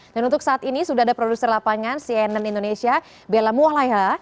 dan untuk saat ini sudah ada produser lapangan cnn indonesia bella mualaiha